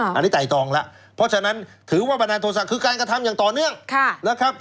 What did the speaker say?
เพราะฉะนั้นถือว่าบันดาลโทษะคือการกระทำอย่างต่อเนื่อง